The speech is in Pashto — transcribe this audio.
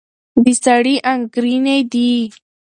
د سړي انګېرنې دي.